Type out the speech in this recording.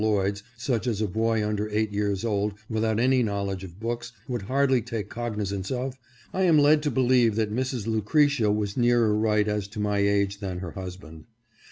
Lloyd's such as a boy under eight years old, without any knowledge of books, would hardly take cognizance of, I am led to believe that Mrs. Lucretia was nearer right as to my age than her husband.